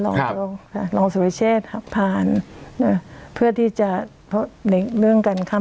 ลองครับลองสุริเชษฐ์ครับผ่านเพื่อที่จะเพราะในเรื่องกันค่ะ